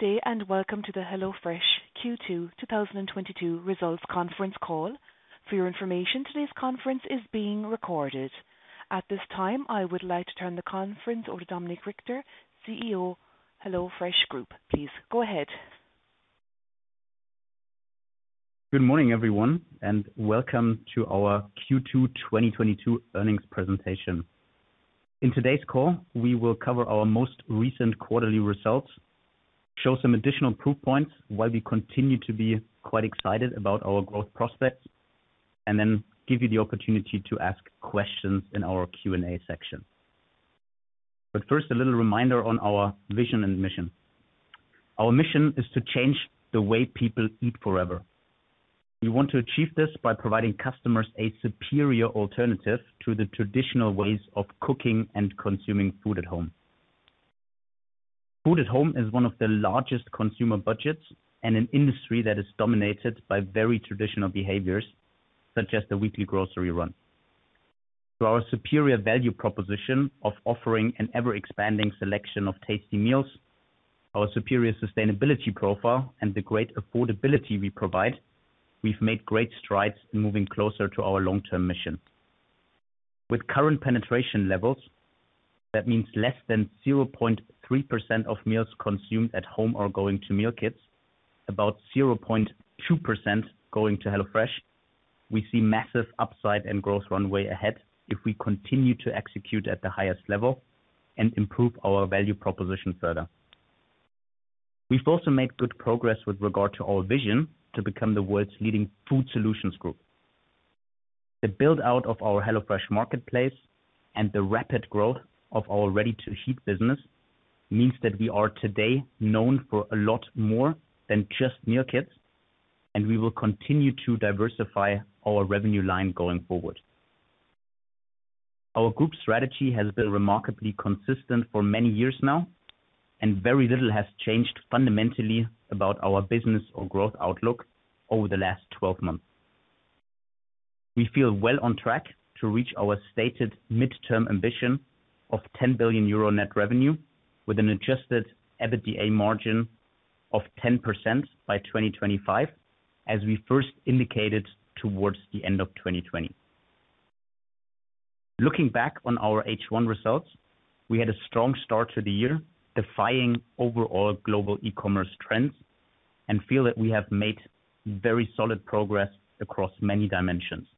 Good day and welcome to the HelloFresh Q2 2022 results conference call. For your information, today's conference is being recorded. At this time, I would like to turn the conference over to Dominik Richter, Chief Executive Officer, HelloFresh Group. Please go ahead. Good morning, everyone, and welcome to our Q2 2022 earnings presentation. In today's call, we will cover our most recent quarterly results, show some additional proof points while we continue to be quite excited about our growth prospects, and then give you the opportunity to ask questions in our Q&A section. First, a little reminder on our vision and mission. Our mission is to change the way people eat forever. We want to achieve this by providing customers a superior alternative to the traditional ways of cooking and consuming food at home. Food at home is one of the largest consumer budgets and an industry that is dominated by very traditional behaviors, such as the weekly grocery run. Through our superior value proposition of offering an ever-expanding selection of tasty meals, our superior sustainability profile, and the great affordability we provide, we've made great strides in moving closer to our long-term mission. With current penetration levels, that means less than 0.3% of meals consumed at home are going to meal kits, about 0.2% going to HelloFresh. We see massive upside and growth runway ahead if we continue to execute at the highest level and improve our value proposition further. We've also made good progress with regard to our vision to become the world's leading food solutions group. The build-out of our HelloFresh marketplace and the rapid growth of our ready-to-heat business means that we are today known for a lot more than just meal kits, and we will continue to diversify our revenue line going forward. Our group strategy has been remarkably consistent for many years now, and very little has changed fundamentally about our business or growth outlook over the last 12 months. We feel well on track to reach our stated midterm ambition of 10 billion euro net revenue with an adjusted EBITDA margin of 10% by 2025, as we first indicated towards the end of 2020. Looking back on our H1 results, we had a strong start to the year, defying overall global e-commerce trends, and feel that we have made very solid progress across many dimensions.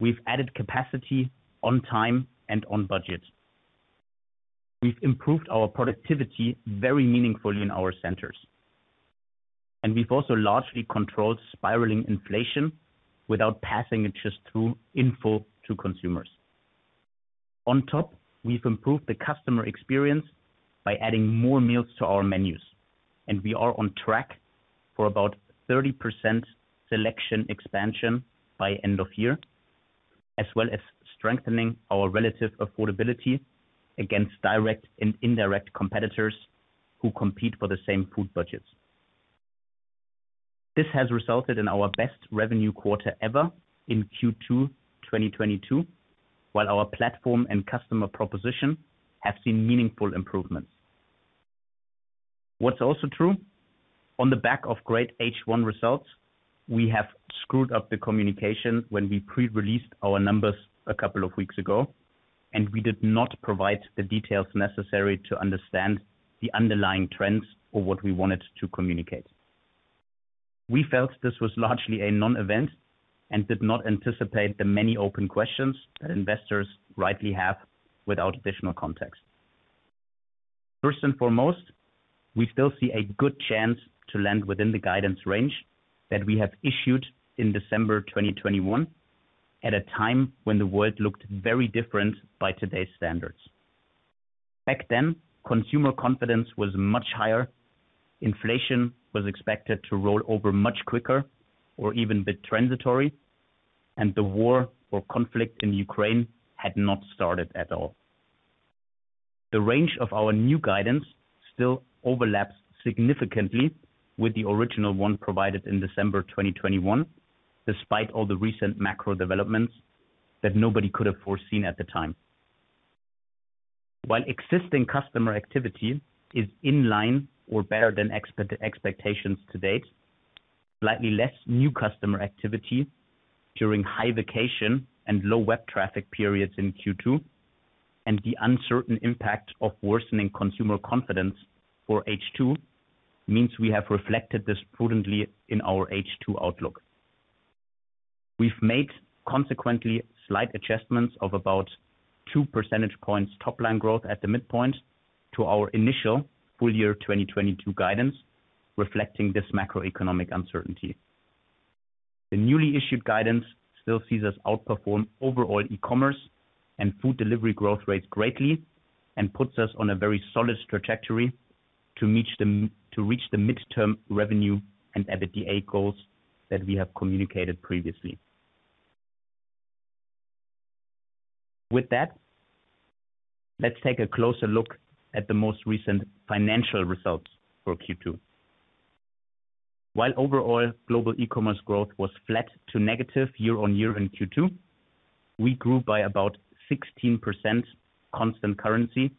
We've added capacity on time and on budget. We've improved our productivity very meaningfully in our centers, and we've also largely controlled spiraling inflation without passing it just through info to consumers. On top, we've improved the customer experience by adding more meals to our menus, and we are on track for about 30% selection expansion by end of year, as well as strengthening our relative affordability against direct and indirect competitors who compete for the same food budgets. This has resulted in our best revenue quarter ever in Q2 2022, while our platform and customer proposition have seen meaningful improvements. What's also true, on the back of great H1 results, we have screwed up the communication when we pre-released our numbers a couple of weeks ago, and we did not provide the details necessary to understand the underlying trends for what we wanted to communicate. We felt this was largely a non-event and did not anticipate the many open questions that investors rightly have without additional context. First and foremost, we still see a good chance to land within the guidance range that we have issued in December 2021, at a time when the world looked very different by today's standards. Back then, consumer confidence was much higher, inflation was expected to roll over much quicker or even be it transitory, and the war or conflict in Ukraine had not started at all. The range of our new guidance still overlaps significantly with the original one provided in December 2021, despite all the recent macro developments that nobody could have foreseen at the time. While existing customer activity is in line or better than expectations to date, slightly less new customer activity during high vacation and low web traffic periods in Q2, and the uncertain impact of worsening consumer confidence for H2 means we have reflected this prudently in our H2 outlook. We've made consequently slight adjustments of about two percentage points top-line growth at the midpoint to our initial full-year 2022 guidance, reflecting this macroeconomic uncertainty. The newly issued guidance still sees us outperform overall e-commerce and food delivery growth rates greatly and puts us on a very solid trajectory to reach the midterm revenue and EBITDA goals that we have communicated previously. With that, let's take a closer look at the most recent financial results for Q2. While overall global e-commerce growth was flat to negative year-on-year in Q2, we grew by about 16% constant-currency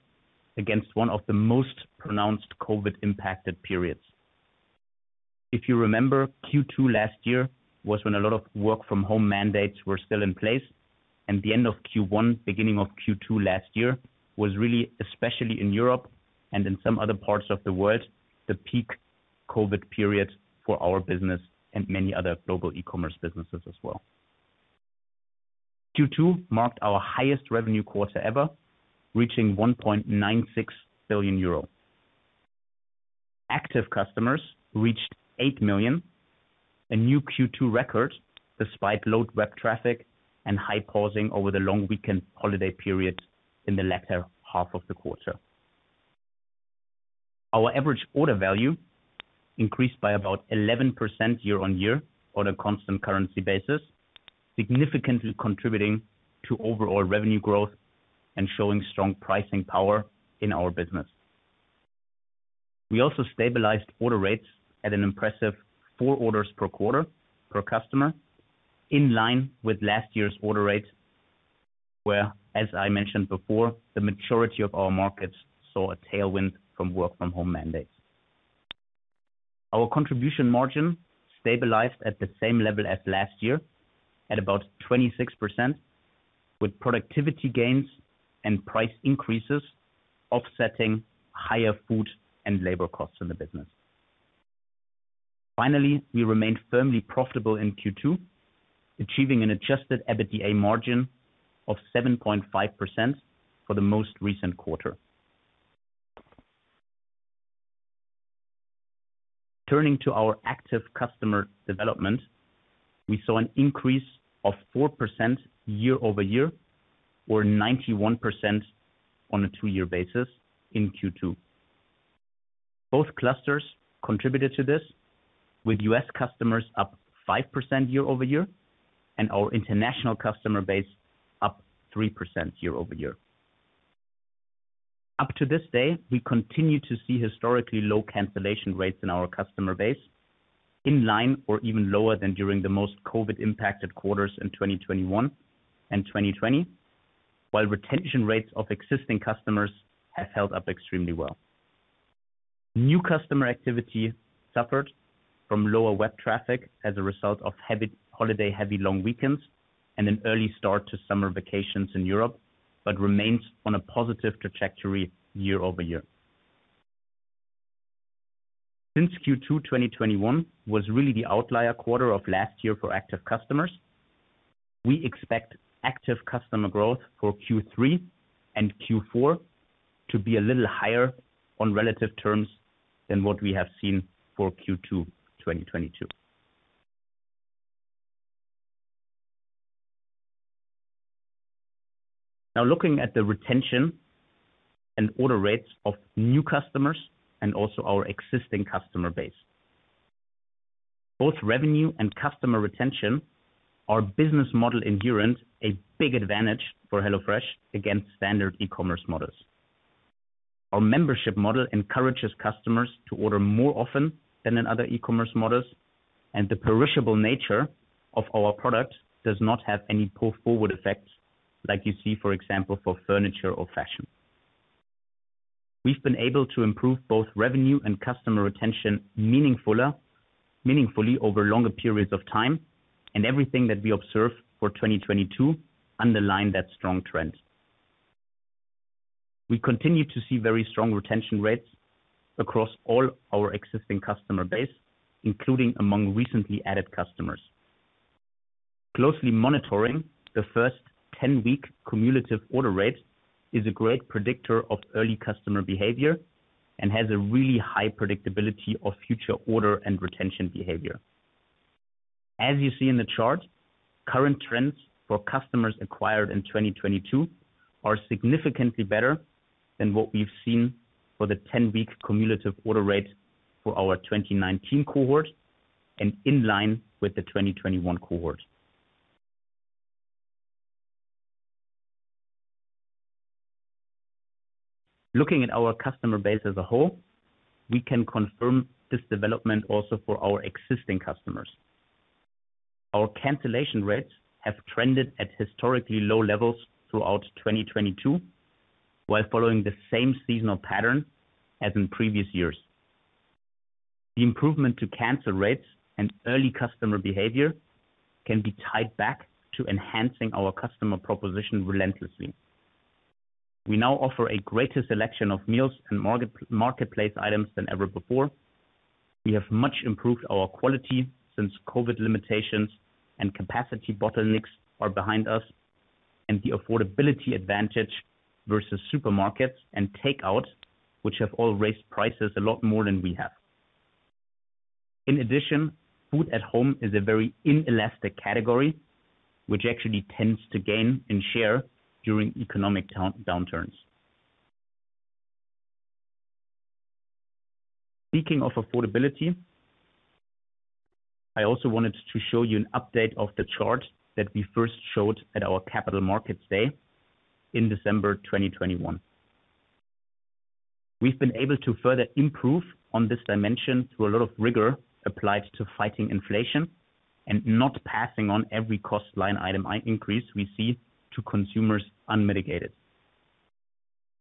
against one of the most pronounced COVID-impacted periods. If you remember, Q2 last year was when a lot of work from home mandates were still in place, and the end of Q1, beginning of Q2 last year was really, especially in Europe and in some other parts of the world, the peak COVID period for our business and many other global e-commerce businesses as well. Q2 marked our highest revenue quarter ever, reaching 1.96 billion euro. Active customers reached 8 million, a new Q2 record despite low web traffic and high pausing over the long weekend holiday period in the latter half of the quarter. Our average order value increased by about 11% year-on-year on a constant currency basis, significantly contributing to overall revenue growth and showing strong pricing power in our business. We also stabilized order rates at an impressive four orders per quarter per customer, in line with last year's order rates, where, as I mentioned before, the majority of our markets saw a tailwind from work from home mandates. Our contribution margin stabilized at the same level as last year at about 26%, with productivity gains and price increases offsetting higher food and labor costs in the business. Finally, we remained firmly profitable in Q2, achieving an adjusted EBITDA margin of 7.5% for the most recent quarter. Turning to our active customer development, we saw an increase of 4% year-over-year or 91% on a two-year basis in Q2. Both clusters contributed to this, with U.S. customers up 5% year-over-year, and our international customer base up 3% year-over-year. Up to this day, we continue to see historically low cancellation rates in our customer base in line or even lower than during the most COVID impacted quarters in 2021 and 2020, while retention rates of existing customers have held up extremely well. New customer activity suffered from lower web traffic as a result of heavy holiday, heavy long weekends, and an early start to summer vacations in Europe, but remains on a positive trajectory year-over-year. Since Q2 2021 was really the outlier quarter of last year for active customers, we expect active customer growth for Q3 and Q4 to be a little higher on relative terms than what we have seen for Q2 2022. Now looking at the retention and order rates of new customers and also our existing customer base. Both revenue and customer retention are business model endurance, a big advantage for HelloFresh against standard e-commerce models. Our membership model encourages customers to order more often than in other e-commerce models, and the perishable nature of our product does not have any pull-forward effects like you see, for example, for furniture or fashion. We've been able to improve both revenue and customer retention meaningfully over longer periods of time, and everything that we observe for 2022 underlines that strong trend. We continue to see very strong retention rates across all our existing customer base, including among recently added customers. Closely monitoring the first 10-week cumulative order rate is a great predictor of early customer behavior and has a really high predictability of future order and retention behavior. As you see in the chart, current trends for customers acquired in 2022 are significantly better than what we've seen for the 10-week cumulative order rate for our 2019 cohort and in line with the 2021 cohort. Looking at our customer base as a whole, we can confirm this development also for our existing customers. Our cancellation rates have trended at historically low levels throughout 2022, while following the same seasonal pattern as in previous years. The improvement to cancel rates and early customer behavior can be tied back to enhancing our customer proposition relentlessly. We now offer a greater selection of meals and Marketplace items than ever before. We have much improved our quality since COVID limitations and capacity bottlenecks are behind us and the affordability advantage versus supermarkets and takeout, which have all raised prices a lot more than we have. In addition, food at home is a very inelastic category, which actually tends to gain and share during economic downturns. Speaking of affordability, I also wanted to show you an update of the chart that we first showed at our Capital Markets Day in December 2021. We've been able to further improve on this dimension through a lot of rigor applied to fighting inflation and not passing on every cost line item increase we see to consumers unmitigated.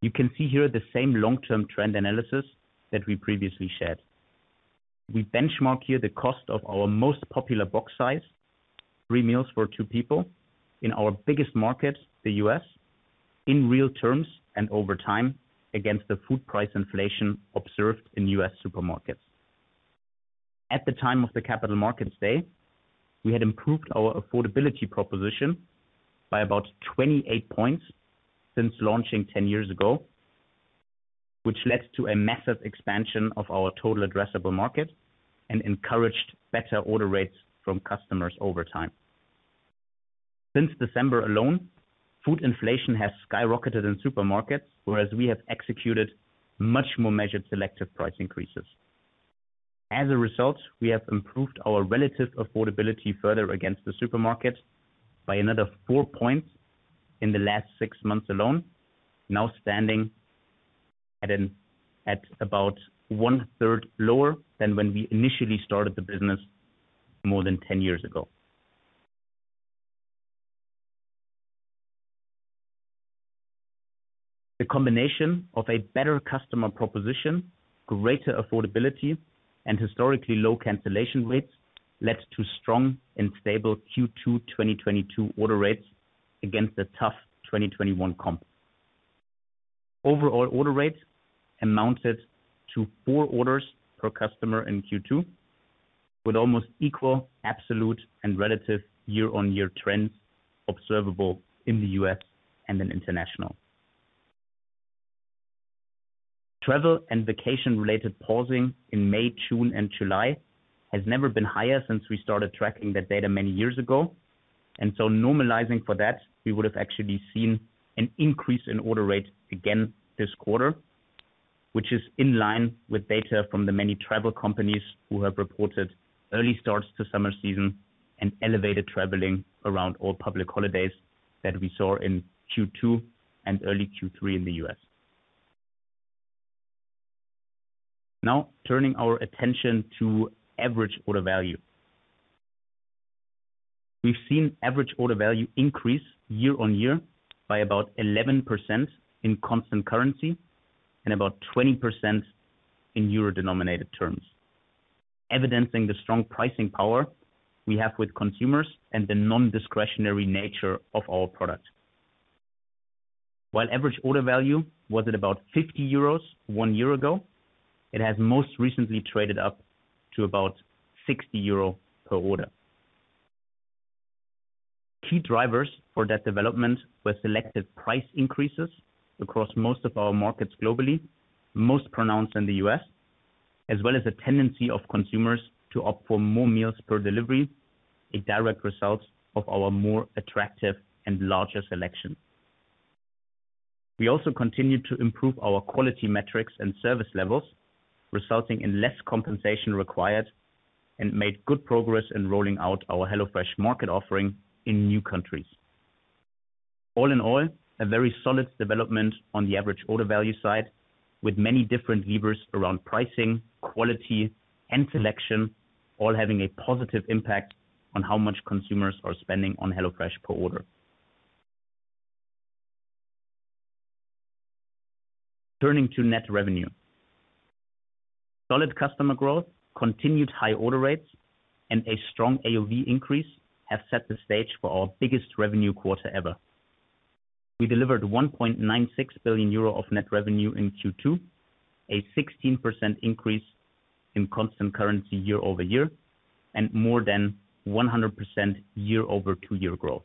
You can see here the same long-term trend analysis that we previously shared. We benchmark here the cost of our most popular box size, three meals for two people, in our biggest market, the U.S., in real terms and over time against the food price inflation observed in U.S. supermarkets. At the time of the Capital Markets Day, we had improved our affordability proposition by about 28 points since launching 10 years ago, which led to a massive expansion of our total addressable market and encouraged better order rates from customers over time. Since December alone, food inflation has skyrocketed in supermarkets, whereas we have executed much more measured selective price increases. As a result, we have improved our relative affordability further against the supermarket by another four points in the last six months alone, now standing at about one-third lower than when we initially started the business more than 10 years ago. The combination of a better customer proposition, greater affordability, and historically low cancellation rates led to strong and stable Q2 2022 order rates against a tough 2021 comp. Overall order rates amounted to four orders per customer in Q2, with almost equal absolute and relative year-on-year trends observable in the U.S. and in international. Travel and vacation related pausing in May, June and July has never been higher since we started tracking that data many years ago. Normalizing for that, we would have actually seen an increase in order rates again this quarter, which is in line with data from the many travel companies who have reported early starts to summer season and elevated traveling around all public holidays that we saw in Q2 and early Q3 in the U.S. Now turning our attention to average order value. We've seen average order value increase year-on-year by about 11% in constant currency and about 20% in euro-denominated terms, evidencing the strong pricing power we have with consumers and the non-discretionary nature of our product. While average order value was at about 50 euros one year ago, it has most recently traded up to about 60 euro per order. Key drivers for that development were selective price increases across most of our markets globally, most pronounced in the U.S., as well as a tendency of consumers to opt for more meals per delivery, a direct result of our more attractive and larger selection. We also continued to improve our quality metrics and service levels, resulting in less compensation required and made good progress in rolling out our HelloFresh Market offering in new countries. All in all, a very solid development on the average order value side, with many different levers around pricing, quality, and selection all having a positive impact on how much consumers are spending on HelloFresh per order. Turning to net revenue. Solid customer growth, continued high order rates, and a strong AOV increase have set the stage for our biggest revenue quarter ever. We delivered 1.96 billion euro of net revenue in Q2, a 16% increase in constant currency year-over-year, and more than 100% year-over-two-year growth.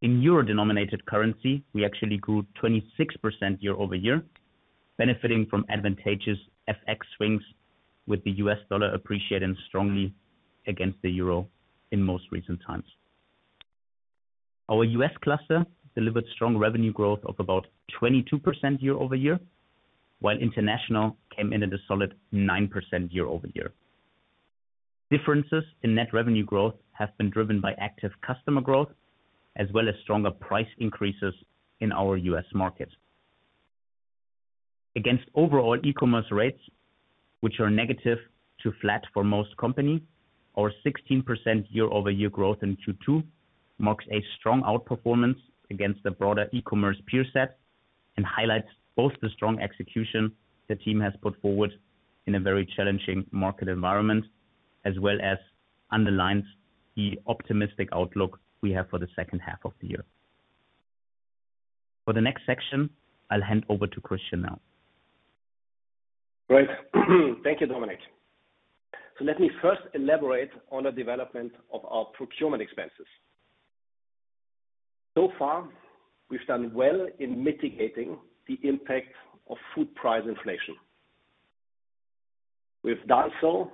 In euro denominated currency, we actually grew 26% year-over-year, benefiting from advantageous FX swings with the US dollar appreciating strongly against the euro in most recent times. Our U.S. cluster delivered strong revenue growth of about 22% year-over-year, while international came in at a solid 9% year-over-year. Differences in net revenue growth have been driven by active customer growth as well as stronger price increases in our U.S. markets. Against overall e-commerce rates, which are negative to flat for most companies, our 16% year-over-year growth in Q2 marks a strong outperformance against the broader e-commerce peer set and highlights both the strong execution the team has put forward in a very challenging market environment, as well as underlines the optimistic outlook we have for the second half of the year. For the next section, I'll hand over to Christian now. Great. Thank you, Dominik. Let me first elaborate on the development of our procurement expenses. So far, we've done well in mitigating the impact of food price inflation. We've done so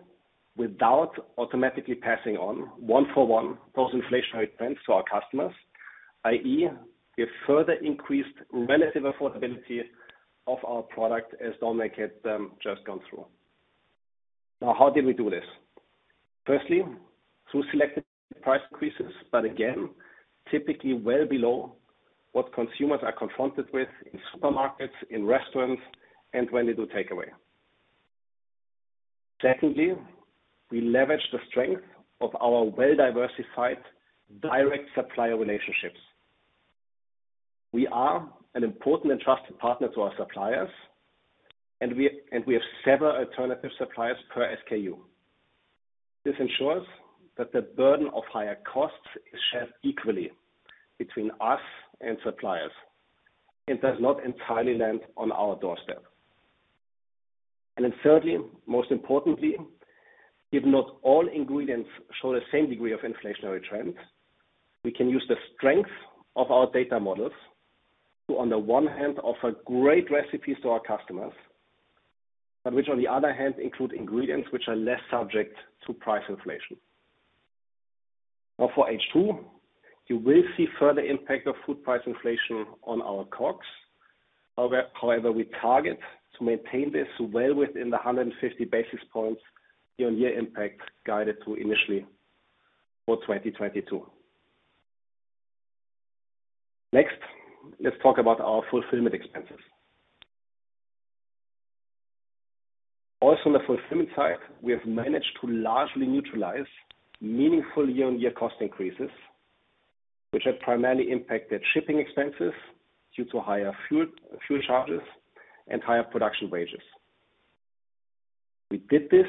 without automatically passing on one-for-one those inflationary trends to our customers, i.e., we have further increased relative affordability of our product as Dominik had just gone through. Now, how did we do this? Firstly, through selected price increases, but again, typically well below what consumers are confronted with in supermarkets, in restaurants, and when they do take away. Secondly, we leverage the strength of our well-diversified direct supplier relationships. We are an important and trusted partner to our suppliers, and we have several alternative suppliers per SKU. This ensures that the burden of higher costs is shared equally between us and suppliers, and does not entirely land on our doorstep. Thirdly, most importantly, if not all ingredients show the same degree of inflationary trends, we can use the strength of our data models to, on the one hand, offer great recipes to our customers, but which on the other hand include ingredients which are less subject to price inflation. Now for H2, you will see further impact of food price inflation on our COGS. However, we target to maintain this well within the 150 basis points year-on-year impact guided to initially for 2022. Next, let's talk about our fulfillment expenses. Also on the fulfillment side, we have managed to largely neutralize meaningful year-on-year cost increases, which have primarily impacted shipping expenses due to higher fuel charges and higher production wages. We did this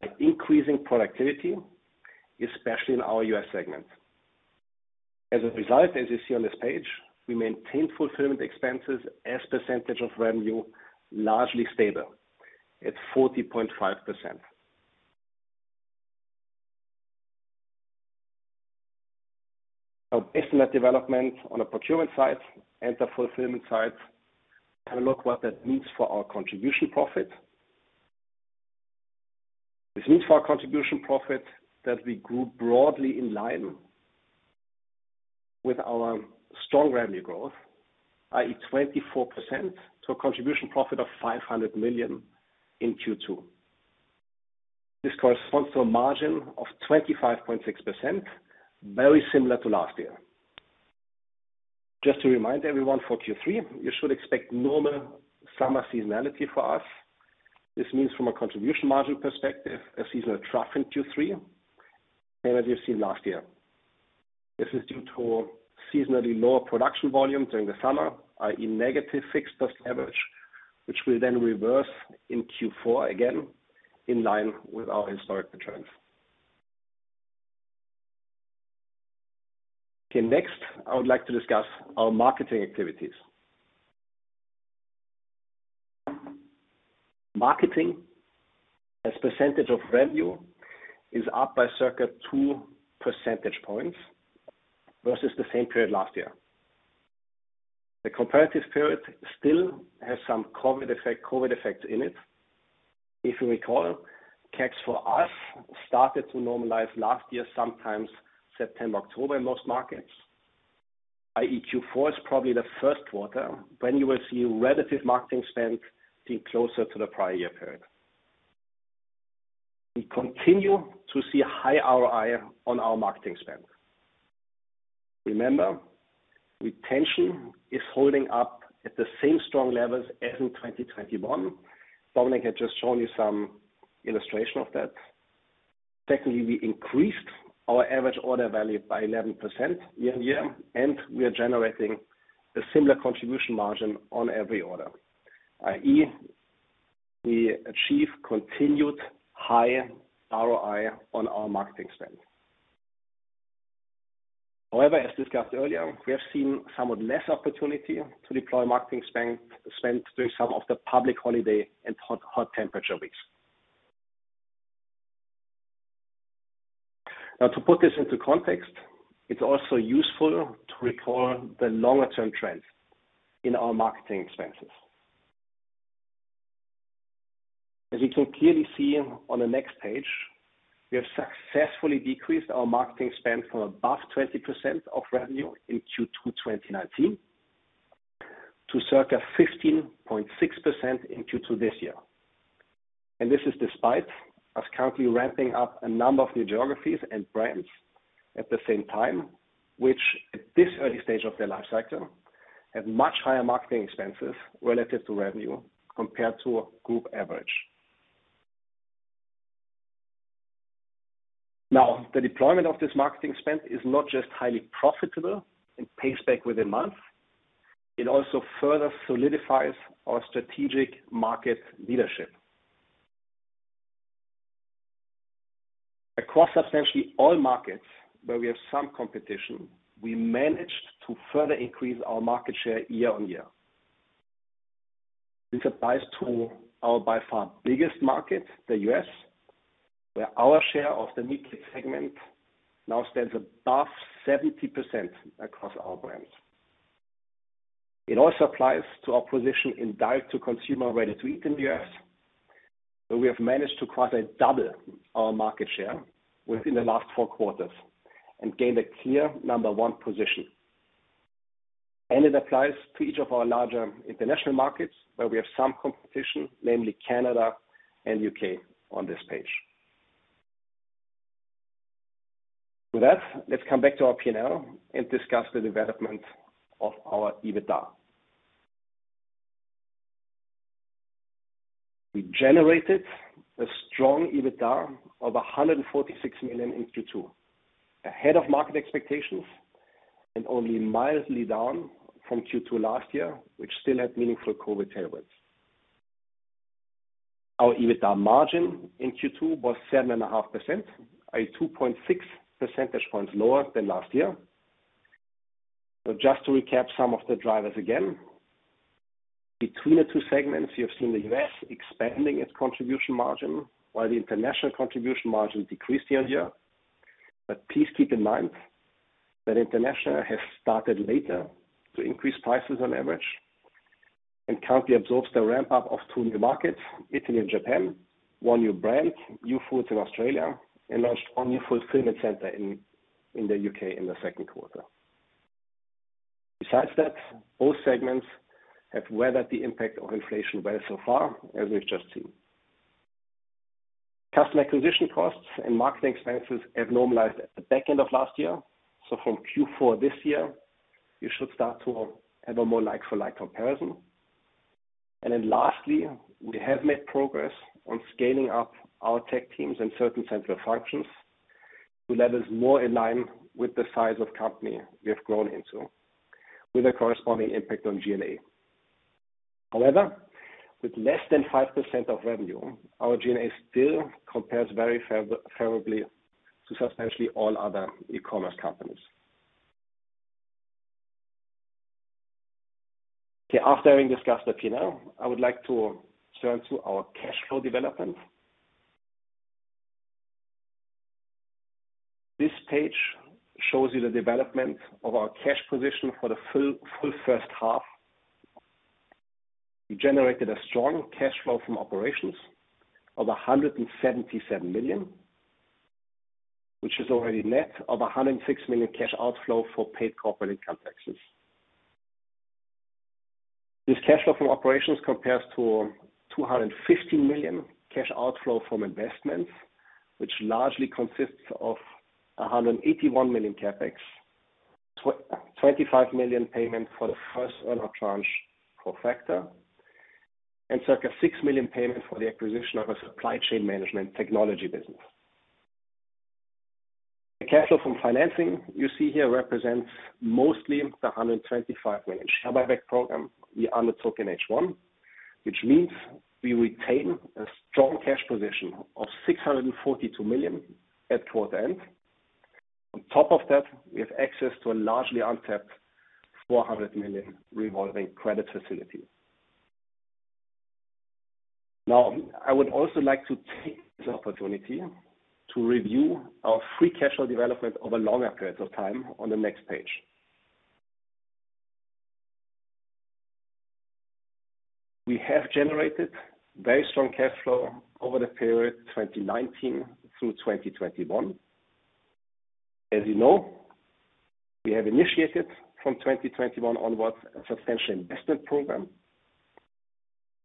by increasing productivity, especially in our U.S. segment. As a result, as you see on this page, we maintained fulfillment expenses as percentage of revenue, largely stable at 40.5%. Now based on that development on the procurement side and the fulfillment side, have a look what that means for our contribution profit. This means for our contribution profit that we grew broadly in line with our strong revenue growth, i.e. 24% to a contribution profit of 500 million in Q2. This corresponds to a margin of 25.6%, very similar to last year. Just to remind everyone, for Q3, you should expect normal summer seasonality for us. This means from a contribution margin perspective, a seasonal trough in Q3, same as you've seen last year. This is due to seasonally lower production volumes during the summer, i.e. Negative fixed cost leverage, which will then reverse in Q4, again in line with our historic returns. Okay. Next, I would like to discuss our marketing activities. Marketing as percentage of revenue is up by circa 2 percentage points versus the same period last year. The comparative period still has some COVID effect in it. If you recall, CapEx for us started to normalize last year, sometime September, October in most markets. Q4 is probably the Q1 when you will see relative marketing spend being closer to the prior year period. We continue to see high ROI on our marketing spend. Remember, retention is holding up at the same strong levels as in 2021. Dominik had just shown you some illustration of that. Secondly, we increased our average order value by 11% year-on-year, and we are generating a similar contribution margin on every order, i.e. we achieve continued high ROI on our marketing spend. However, as discussed earlier, we have seen somewhat less opportunity to deploy marketing spend during some of the public holiday and hot temperature weeks. Now to put this into context, it's also useful to recall the longer-term trends in our marketing expenses. As you can clearly see on the next page, we have successfully decreased our marketing spend from above 20% of revenue in Q2 2019 to circa 15.6% in Q2 this year. This is despite us currently ramping up a number of new geographies and brands at the same time, which at this early stage of their life cycle, have much higher marketing expenses relative to revenue compared to group average. Now, the deployment of this marketing spend is not just highly profitable and pays back within months, it also further solidifies our strategic market leadership. Across substantially all markets where we have some competition, we managed to further increase our market share year-on-year. This applies to our by far biggest market, the U.S., where our share of the meal kit segment now stands above 70% across all brands. It also applies to our position in direct-to-consumer ready-to-eat in the U.S., where we have managed to quite double our market share within the last four quarters and gain a clear number one position. It applies to each of our larger international markets where we have some competition, namely Canada and U.K. on this page. With that, let's come back to our P&L and discuss the development of our EBITDA. We generated a strong EBITDA of 146 million in Q2, ahead of market expectations and only mildly down from Q2 last year, which still had meaningful COVID tailwinds. Our EBITDA margin in Q2 was 7.5%, i.e. 2.6 percentage points lower than last year. Just to recap some of the drivers again, between the two segments, you have seen the US expanding its contribution margin while the international contribution margin decreased year-over-year. Please keep in mind that international has started later to increase prices on average and currently absorbs the ramp-up of two new markets, Italy and Japan, one new brand, Youfoodz in Australia, and launched one new fulfillment center in the U.K. in the Q2. Besides that, both segments have weathered the impact of inflation well so far, as we've just seen. Customer acquisition costs and marketing expenses have normalized at the back end of last year. From Q4 this year, you should start to have a more like-for-like comparison. Lastly, we have made progress on scaling up our tech teams and certain central functions to levels more in line with the size of company we have grown into with a corresponding impact on G&A. However, with less than 5% of revenue, our G&A still compares very favorably to substantially all other e-commerce companies. Okay, after having discussed the P&L, I would like to turn to our cash flow development. This page shows you the development of our cash position for the full first half. We generated a strong cash flow from operations of 177 million, which is already net of 106 million cash outflow for paid corporate income taxes. This cash flow from operations compares to 250 million cash outflow from investments, which largely consists of 181 million CapEx, 25 million payment for the first earn-out tranche for Factor, and circa 6 million payment for the acquisition of a supply chain management technology business. The cash flow from financing you see here represents mostly the 125 million share buyback program we undertook in H1, which means we retain a strong cash position of 642 million at quarter end. On top of that, we have access to a largely untapped 400 million revolving credit facility. Now, I would also like to take this opportunity to review our free cash flow development over longer periods of time on the next page. We have generated very strong cash flow over the period 2019 through 2021. As you know, we have initiated from 2021 onwards a substantial investment program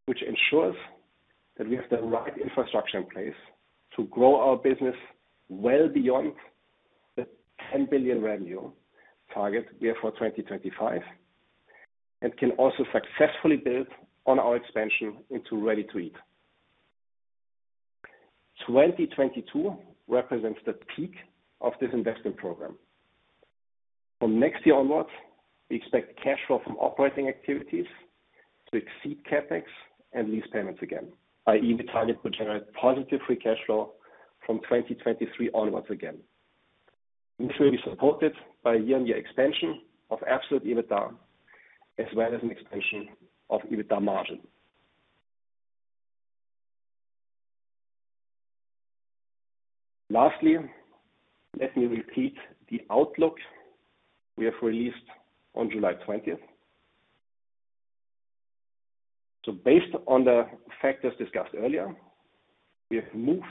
which ensures that we have the right infrastructure in place to grow our business well beyond the 10 billion revenue target we have for 2025 and can also successfully build on our expansion into ready-to-eat. 2022 represents the peak of this investment program. From next year onwards, we expect cash flow from operating activities to exceed CapEx and lease payments again, i.e. the target will generate positive free cash flow from 2023 onwards again, which will be supported by a year-on-year expansion of absolute EBITDA as well as an expansion of EBITDA margin. Lastly, let me repeat the outlook we have released on July 20. Based on the factors discussed earlier, we have moved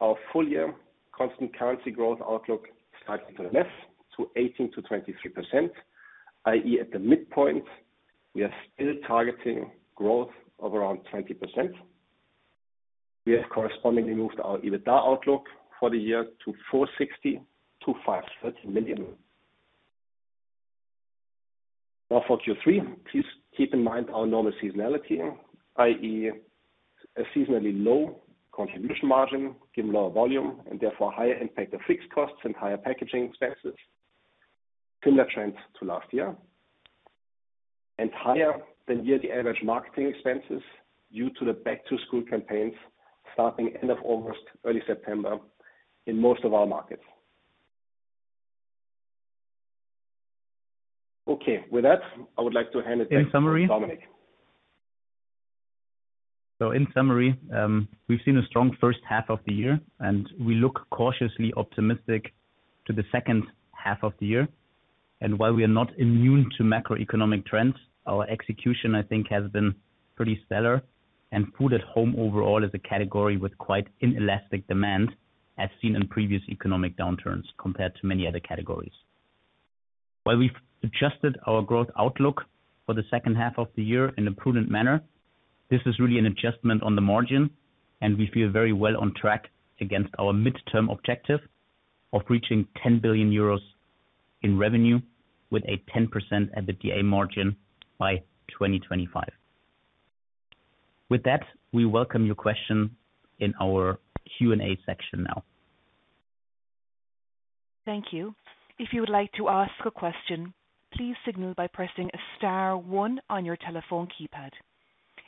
our full year constant currency growth outlook slightly to the left to 18%-23%, i.e., at the midpoint, we are still targeting growth of around 20%. We have correspondingly moved our EBITDA outlook for the year to 460 million-530 million. Now for Q3, please keep in mind our normal seasonality, i.e., a seasonally low contribution margin given lower volume and therefore higher impact of fixed costs and higher packaging expenses. Similar trends to last year, and higher than year-to-date average marketing expenses due to the back-to-school campaigns starting end of August, early September in most of our markets. Okay. With that, I would like to hand it back to Dominik. In summary, we've seen a strong first half of the year, and we look cautiously optimistic to the second half of the year. While we are not immune to macroeconomic trends, our execution, I think, has been pretty stellar. Food at home overall is a category with quite inelastic demand, as seen in previous economic downturns compared to many other categories. While we've adjusted our growth outlook for the second half of the year in a prudent manner, this is really an adjustment on the margin, and we feel very well on track against our midterm objective of reaching 10 billion euros in revenue with a 10% EBITDA margin by 2025. With that, we welcome your question in our Q&A section now. Thank you. If you would like to ask a question, please signal by pressing star one on your telephone keypad.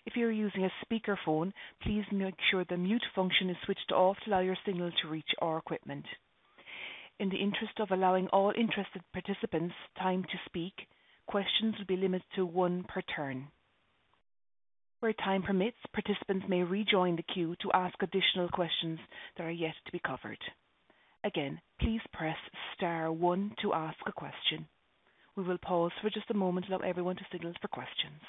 If you're using a speakerphone, please make sure the mute function is switched off to allow your signal to reach our equipment. In the interest of allowing all interested participants time to speak, questions will be limited to one per turn. Where time permits, participants may rejoin the queue to ask additional questions that are yet to be covered. Again, please press star one to ask a question. We will pause for just a moment to allow everyone to signal for questions.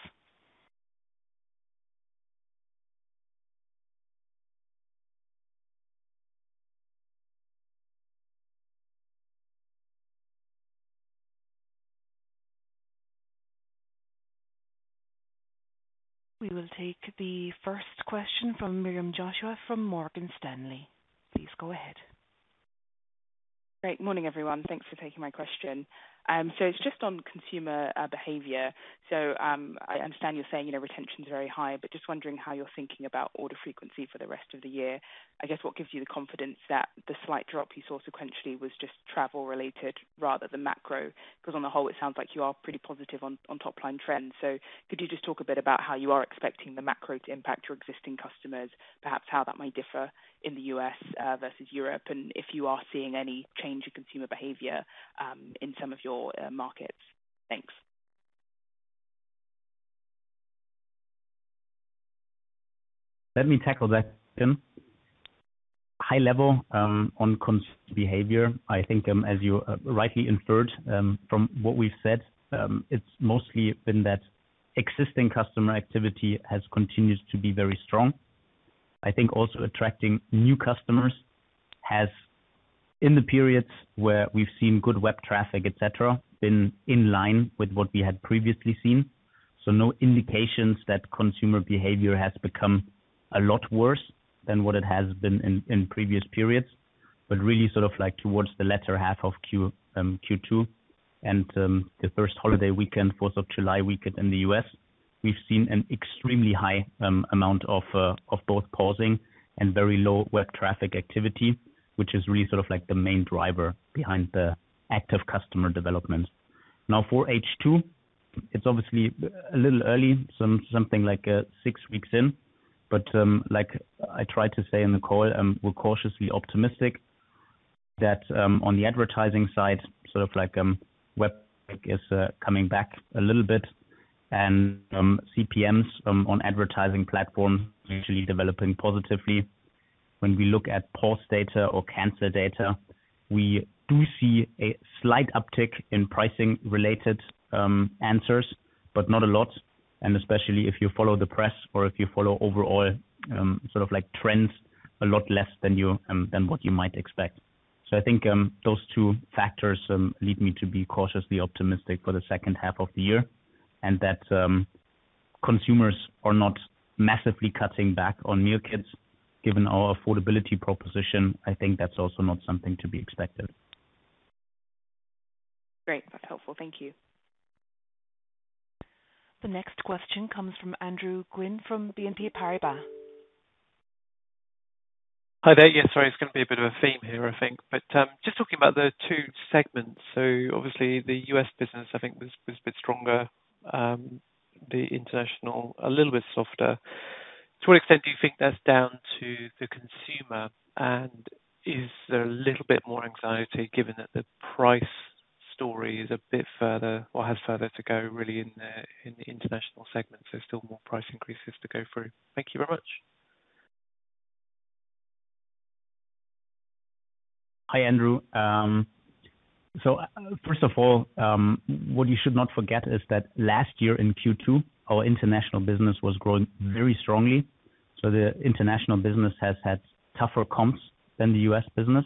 We will take the first question from Miriam Joshua from Morgan Stanley. Please go ahead. Great morning, everyone. Thanks for taking my question. It's just on consumer behavior. I understand you're saying, you know, retention is very high, but just wondering how you're thinking about order frequency for the rest of the year. I guess what gives you the confidence that the slight drop you saw sequentially was just travel related rather than macro? Because on the whole, it sounds like you are pretty positive on top line trends. Could you just talk a bit about how you are expecting the macro to impact your existing customers? Perhaps how that might differ in the U.S. versus Europe? And if you are seeing any change in consumer behavior in some of your markets? Thanks. Let me tackle that. High level, on consumer behavior. I think, as you rightly inferred, from what we've said, it's mostly been that existing customer activity has continued to be very strong. I think also attracting new customers has, in the periods where we've seen good web traffic, et cetera, been in line with what we had previously seen. No indications that consumer behavior has become a lot worse than what it has been in previous periods. Really sort of like towards the latter half of Q2 and the first holiday weekend, Fourth of July weekend in the U.S., we've seen an extremely high amount of both pausing and very low web traffic activity, which is really sort of like the main driver behind the active customer development. Now for H2, it's obviously a little early, something like 6 weeks in, but like I tried to say in the call, we're cautiously optimistic that on the advertising side, sort of like web is coming back a little bit and CPMs on advertising platforms actually developing positively. When we look at POS data or consumer data, we do see a slight uptick in pricing-related answers, but not a lot. Especially if you follow the press or if you follow overall sort of like trends a lot less than what you might expect. I think those two factors lead me to be cautiously optimistic for the second half of the year and that consumers are not massively cutting back on meal kits. Given our affordability proposition, I think that's also not something to be expected. Great. That's helpful. Thank you. The next question comes from Andrew Gwynn from BNP Paribas. Hi there. Yes, sorry, it's going to be a bit of a theme here, I think. Just talking about the two segments. Obviously the U.S. business, I think was a bit stronger, the international a little bit softer. To what extent do you think that's down to the consumer? Is there a little bit more anxiety given that the price story is a bit further or has further to go really in the international segment? Still more price increases to go through. Thank you very much. Hi, Andrew. First of all, what you should not forget is that last year in Q2, our international business was growing very strongly. The international business has had tougher comps than the U.S. business.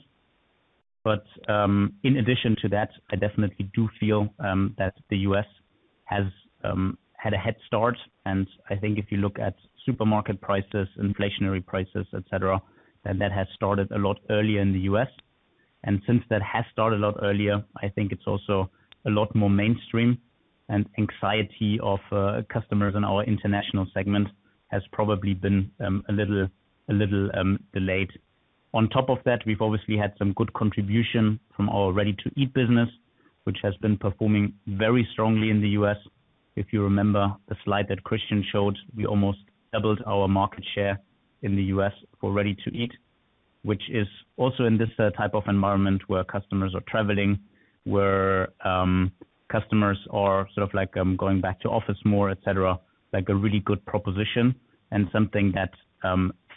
In addition to that, I definitely do feel that the U.S. has had a head start. I think if you look at supermarket prices, inflationary prices, et cetera, then that has started a lot earlier in the U.S. Since that has started a lot earlier, I think it's also a lot more mainstream and anxiety of customers in our international segment has probably been a little delayed. On top of that, we've obviously had some good contribution from our ready-to-eat business, which has been performing very strongly in the U.S. If you remember the slide that Christian showed, we almost doubled our market share in the U.S. for ready-to-eat, which is also in this type of environment where customers are traveling, where customers are sort of like going back to office more, et cetera, like a really good proposition and something that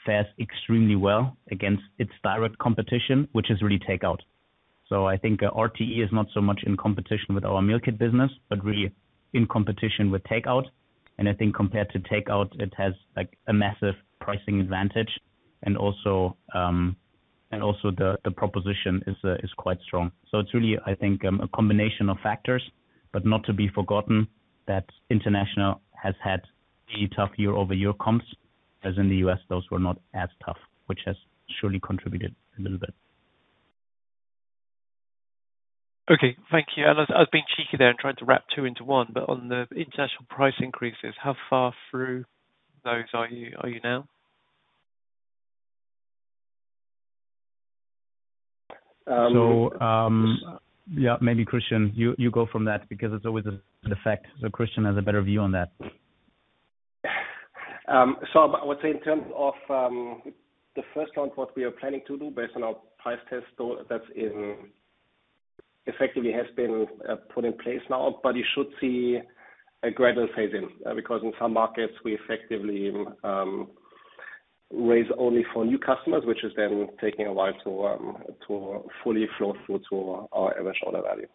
fares extremely well against its direct competition, which is really takeout. I think RTE is not so much in competition with our meal kit business, but really in competition with takeout. I think compared to takeout, it has like a massive pricing advantage. And also the proposition is quite strong. It's really, I think, a combination of factors, but not to be forgotten that international has had a tough year-over-year comps, as in the U.S., those were not as tough, which has surely contributed a little bit. Okay. Thank you. I was being cheeky there and trying to wrap two into one. On the international price increases, how far through those are you now? Yeah, maybe Christian, you go from that because it's always an effect. Christian has a better view on that. I would say in terms of the first round, what we are planning to do based on our price test. That's effectively been put in place now. You should see a gradual phase in, because in some markets we effectively raise only for new customers, which is then taking a while to fully flow through to our average order value.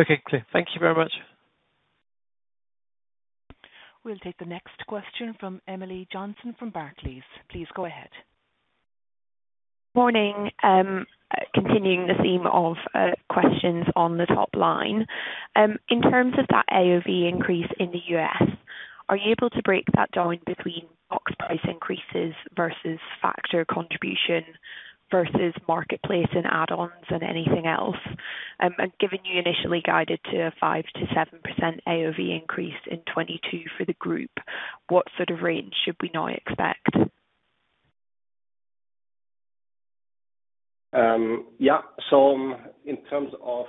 Okay. Clear. Thank you very much. We'll take the next question from Emily Johnson from Barclays. Please go ahead. Morning. Continuing the theme of questions on the top line. In terms of that AOV increase in the U.S., are you able to break that down between box price increases versus Factor contribution versus marketplace and add-ons and anything else? Given you initially guided to a 5%-7% AOV increase in 2022 for the group, what sort of range should we now expect? Yeah. In terms of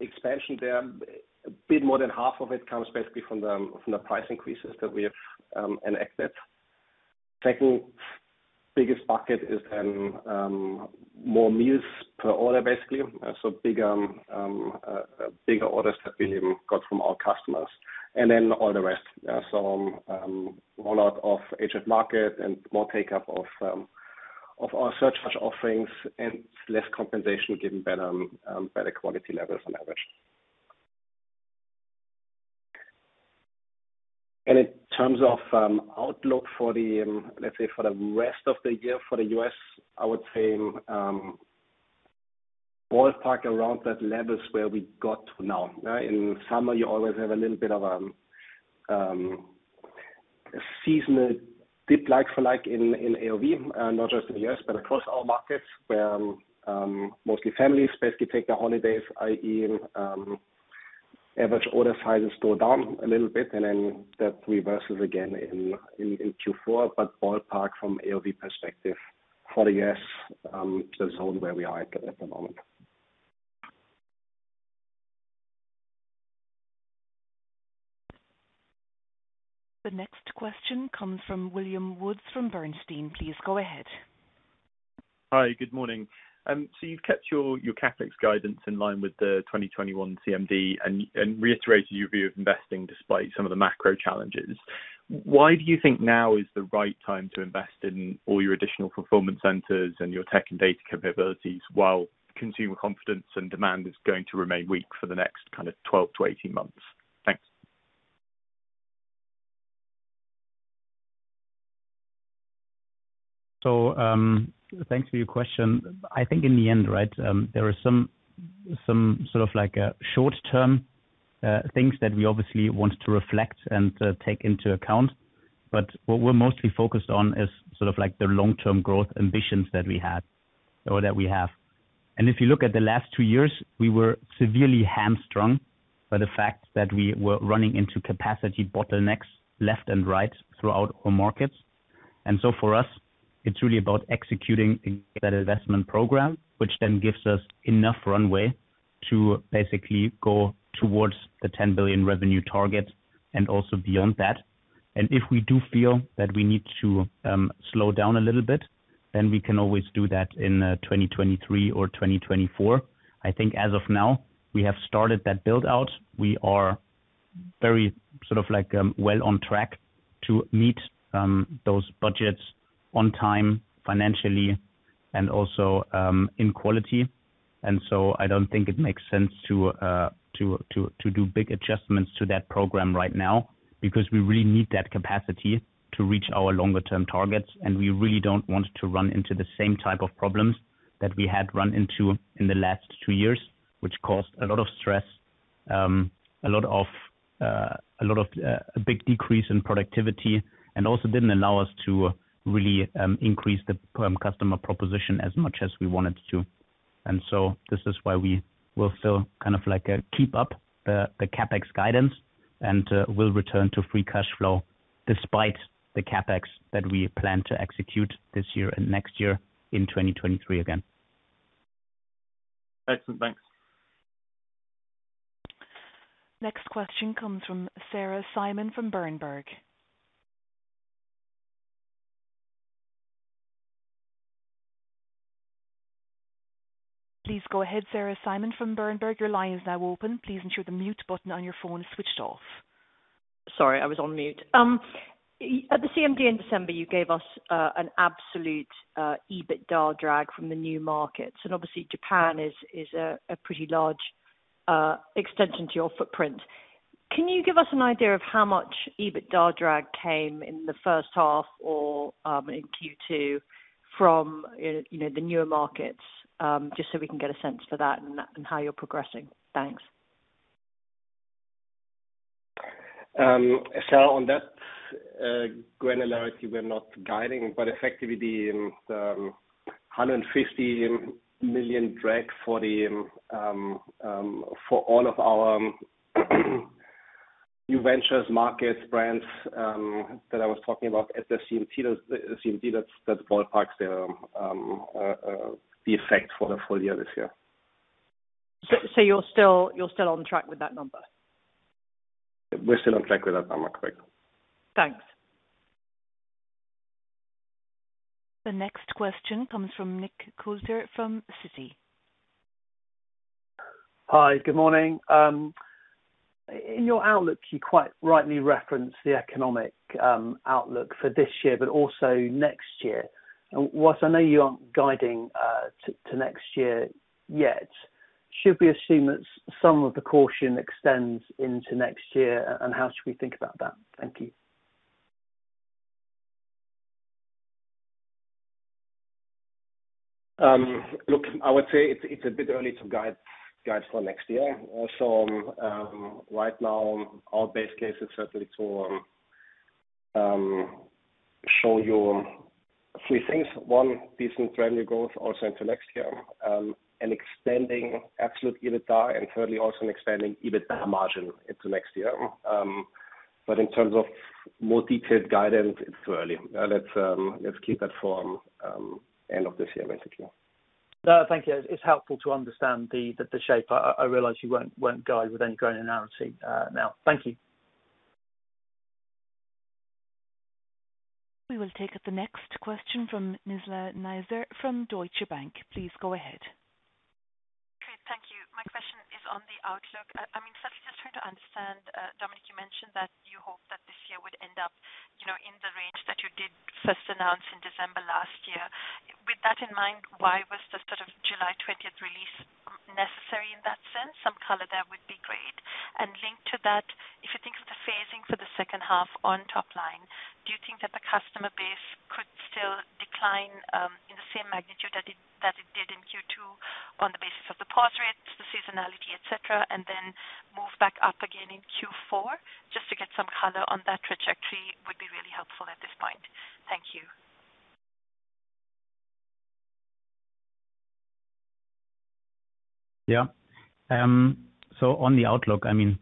expansion there, a bit more than half of it comes basically from the price increases that we have enacted. Second biggest bucket is then more meals per order, basically, so bigger orders that we got from our customers and then all the rest. Rollout of HelloFresh Market and more take up of our such offerings and less compensation, given better quality levels on average. In terms of outlook for the, let's say, for the rest of the year, for the U.S., I would say, ballpark around that level is where we got to now. In summer, you always have a little bit of seasonal dip like for like in AOV, not just in the U.S., but across all markets where mostly families basically take their holidays, i.e., average order sizes go down a little bit and then that reverses again in Q4. Ballpark from AOV perspective for the U.S., the zone where we are at the moment. The next question comes from William Woods from Bernstein. Please go ahead. Hi. Good morning. You've kept your CapEx guidance in line with the 2021 CMD and reiterated your view of investing despite some of the macro challenges. Why do you think now is the right time to invest in all your additional fulfillment centers and your tech and data capabilities while consumer confidence and demand is going to remain weak for the next kind of 12-18 months? Thanks. Thanks for your question. I think in the end, right, there are some sort of like short term things that we obviously want to reflect and take into account. What we're mostly focused on is sort of like the long term growth ambitions that we had or that we have. If you look at the last two years, we were severely hamstrung by the fact that we were running into capacity bottlenecks left and right throughout our markets. For us, it's really about executing that investment program, which then gives us enough runway to basically go towards the 10 billion revenue target and also beyond that. If we do feel that we need to slow down a little bit, then we can always do that in 2023 or 2024. I think as of now, we have started that build out. We are very sort of like, well on track to meet those budgets on time financially and also in quality. I don't think it makes sense to do big adjustments to that program right now because we really need that capacity to reach our longer term targets. We really don't want to run into the same type of problems that we had run into in the last two years, which caused a lot of stress, a big decrease in productivity and also didn't allow us to really increase the customer proposition as much as we wanted to. This is why we will still kind of like keep up the CapEx guidance and we'll return to free cash flow despite the CapEx that we plan to execute this year and next year in 2023 again. Excellent. Thanks. Next question comes from Sarah Simon from Berenberg. Please go ahead, Sarah Simon from Berenberg. Your line is now open. Please ensure the mute button on your phone is switched off. Sorry, I was on mute. At the CMD in December, you gave us an absolute EBITDA drag from the new markets, and obviously Japan is a pretty large extension to your footprint. Can you give us an idea of how much EBITDA drag came in the first half or in Q2 from you know the newer markets? Just so we can get a sense for that and how you're progressing. Thanks. On that granularity, we're not guiding, but effectively the 150 million drag for all of our new ventures, markets, brands that I was talking about at the CMD that ballparks the effect for the full year this year. You're still on track with that number? We're still on track with that number, correct? Thanks. The next question comes from Nick Coulter from Citi. Hi, good morning. In your outlook, you quite rightly reference the economic outlook for this year, but also next year. While I know you aren't guiding to next year yet, should we assume that some of the caution extends into next year, and how should we think about that? Thank you. Look, I would say it's a bit early to guide for next year. Right now our base case is certainly to show you three things. One, decent revenue growth also into next year, and extending absolute EBITDA, and currently also an expanding EBITDA margin into next year. But in terms of more detailed guidance, it's too early. Let's keep that for end of this year basically. No, thank you. It's helpful to understand the shape. I realize you won't guide with any granularity, now. Thank you. We will take the next question from Nizla Naizer from Deutsche Bank. Please go ahead. Great, thank you. My question is on the outlook. I mean, so I'm just trying to understand, Dominik, you mentioned that you hope that this year would end up, you know, in the range that you did first announce in December last year. With that in mind, why was the sort of July twentieth release necessary in that sense? Some color there would be great. Linked to that, if you think of the phasing for the second half on top line, do you think that the customer base could still decline in the same magnitude that it did in Q2 on the basis of the pause rates, the seasonality, et cetera, and then move back up again in Q4? Just to get some color on that trajectory would be really helpful at this point. Thank you. So on the outlook, I mean,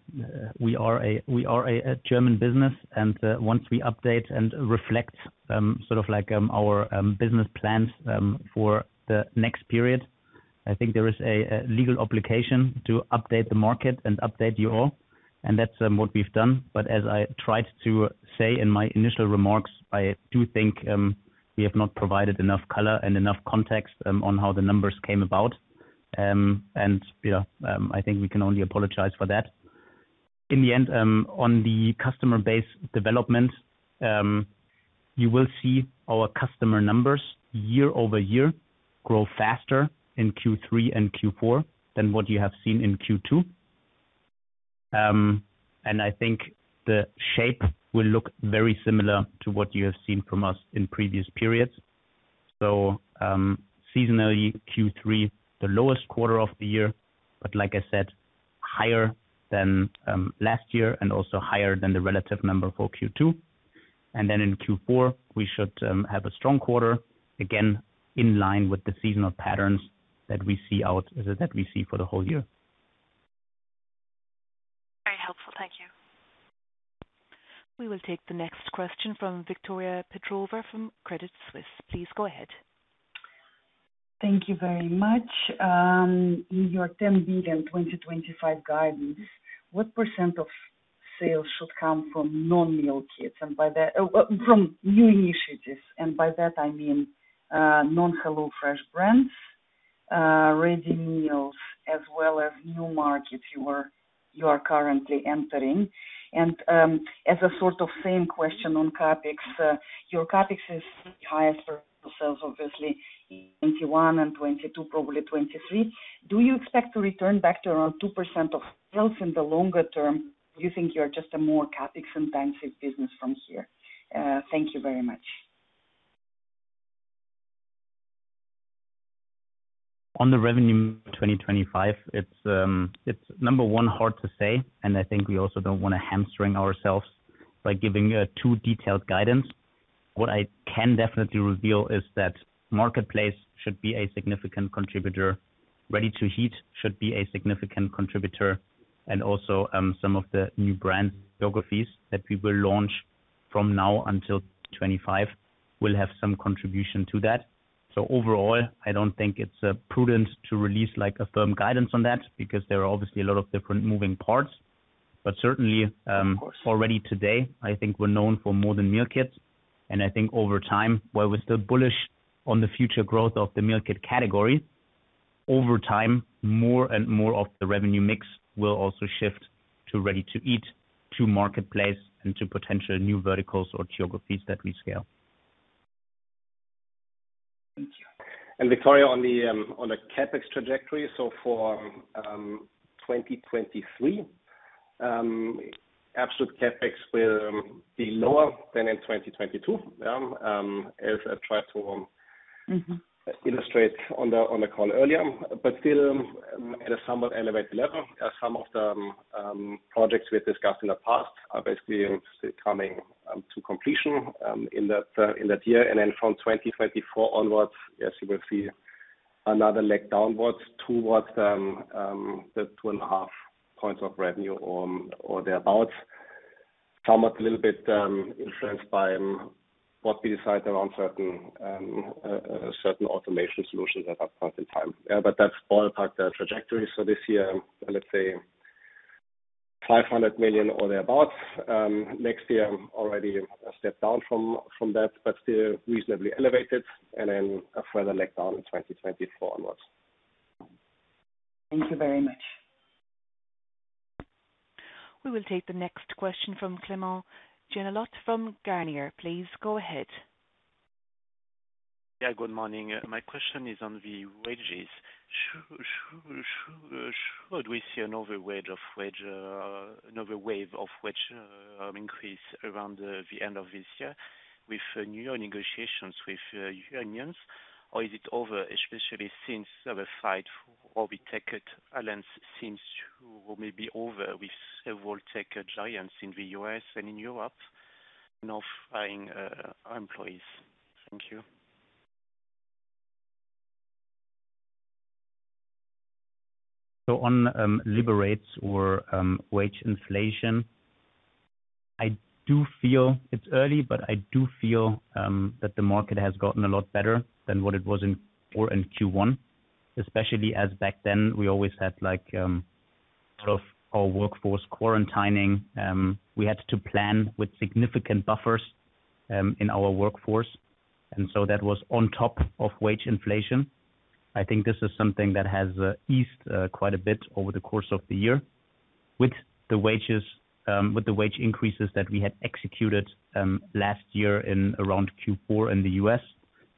we are a German business, and once we update and reflect sort of like our business plans for the next period, I think there is a legal obligation to update the market and update you all, and that's what we've done. As I tried to say in my initial remarks, I do think we have not provided enough color and enough context on how the numbers came about. I think we can only apologize for that. In the end, on the customer base development, you will see our customer numbers year-over-year grow faster in Q3 and Q4 than what you have seen in Q2. I think the shape will look very similar to what you have seen from us in previous periods. Seasonally Q3, the lowest quarter of the year, but like I said, higher than last year and also higher than the relative number for Q2. Then in Q4, we should have a strong quarter, again, in line with the seasonal patterns that we see for the whole year. Very helpful. Thank you. We will take the next question from Victoria Petrova from Credit Suisse. Please go ahead. Thank you very much. In your 10 billion 2025 guidance, what % of sales should come from non-meal kits? By that from new initiatives, and by that I mean non-HelloFresh brands, ready meals, as well as new markets you are currently entering. As a sort of same question on CapEx, your CapEx is highest % of sales, obviously in 2021 and 2022, probably 2023. Do you expect to return back to around 2% of sales in the longer term? Do you think you're just a more CapEx business from here? Thank you very much. On the revenue 2025, it's number one hard to say, and I think we also don't wanna hamstring ourselves by giving a too detailed guidance. What I can definitely reveal is that marketplace should be a significant contributor, ready-to-heat should be a significant contributor, and also some of the new brand geographies that we will launch from now until 2025 will have some contribution to that. Overall, I don't think it's prudent to release like a firm guidance on that because there are obviously a lot of different moving parts. Certainly, already today, I think we're known for more than meal kits. I think over time, while we're still bullish on the future growth of the meal kit category, over time, more and more of the revenue mix will also shift to ready-to-eat, to marketplace, and to potential new verticals or geographies that we scale. Thank you. Victoria, on the CapEx trajectory. For 2023, absolute CapEx will be lower than in 2022 illustrate on the call earlier, but still at a somewhat elevated level. Some of the projects we discussed in the past are basically coming to completion in that year. From 2024 onwards, yes, you will see another leg downwards towards the 2.5% of revenue or thereabout. Somewhat a little bit influenced by what we decide around certain automation solutions at that point in time. Yeah, but that's all part of the trajectory. This year, let's say 500 million or thereabout. Next year, already a step down from that, but still reasonably elevated. Then a further leg down in 2024 onwards. Thank you very much. We will take the next question from Clément Genelot from Garnier. Please go ahead. Yeah, good morning. My question is on the wages. Should we see another wave of wage increase around the end of this year with new negotiations with unions? Or is it over, especially since the hiring or the tech alliances seems to be over with several tech giants in the U.S. and in Europe now firing employees. Thank you. On labor rates or wage inflation, I do feel it's early, but I do feel that the market has gotten a lot better than what it was in Q1, especially as back then, we always had, like, sort of our workforce quarantining. We had to plan with significant buffers in our workforce. That was on top of wage inflation. I think this is something that has eased quite a bit over the course of the year. With the wages, with the wage increases that we had executed, last year in around Q4 in the US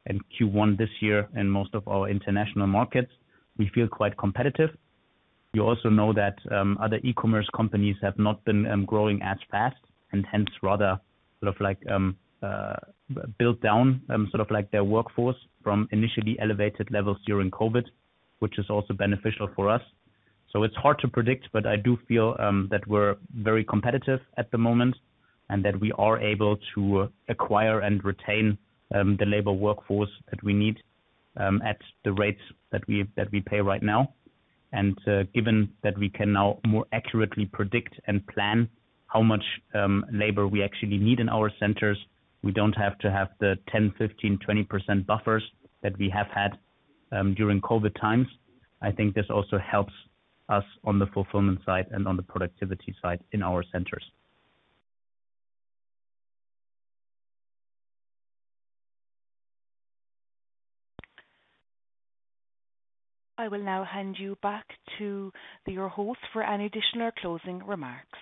and Q1 this year in most of our international markets, we feel quite competitive. You also know that other e-commerce companies have not been growing as fast and hence rather sort of like built down sort of like their workforce from initially elevated levels during COVID, which is also beneficial for us. It's hard to predict, but I do feel that we're very competitive at the moment and that we are able to acquire and retain the labor workforce that we need at the rates that we pay right now. Given that we can now more accurately predict and plan how much labor we actually need in our centers, we don't have to have the 10, 15, 20% buffers that we have had during COVID times. I think this also helps us on the fulfillment side and on the productivity side in our centers. I will now hand you back to your host for any additional closing remarks.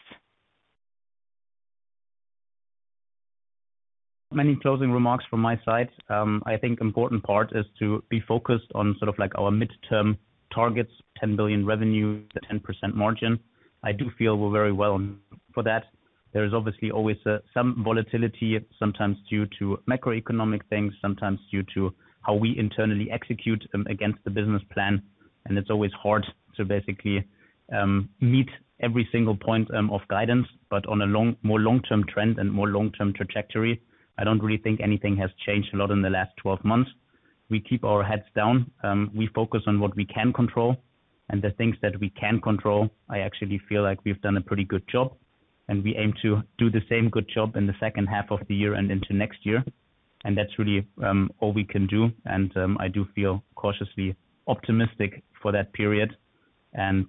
Many closing remarks from my side. I think important part is to be focused on sort of like our midterm targets, 10 billion revenue, the 10% margin. I do feel we're very well for that. There is obviously always some volatility, sometimes due to macroeconomic things, sometimes due to how we internally execute against the business plan. It's always hard to basically meet every single point of guidance, but on a long, more long-term trend and more long-term trajectory, I don't really think anything has changed a lot in the last 12 months. We keep our heads down. We focus on what we can control and the things that we can control. I actually feel like we've done a pretty good job, and we aim to do the same good job in the second half of the year and into next year. That's really all we can do. I do feel cautiously optimistic for that period and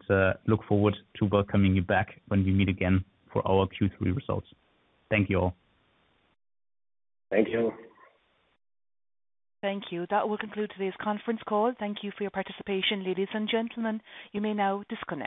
look forward to welcoming you back when we meet again for our Q3 results. Thank you all. Thank you. Thank you. That will conclude today's conference call. Thank you for your participation, ladies and gentlemen. You may now disconnect.